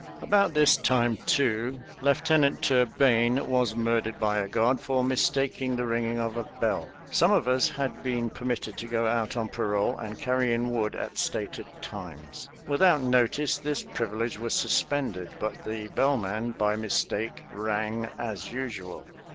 About this time, too, Lieutenant Turbayne was murdered by a guard for mistaking the ringing of a bell. Some of us had been permitted to go out on parole and carry in wood at stated times. Without notice, this privilege was suspended, but the bellman, by mistake, rang as usual.